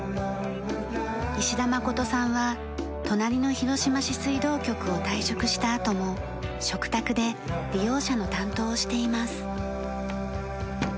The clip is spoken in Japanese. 石田誠さんは隣の広島市水道局を退職したあとも嘱託で利用者の担当をしています。